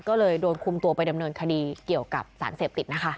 ก็เลยโดนคุมตัวไปดำเนินคดีเกี่ยวกับสารเสพติดนะคะ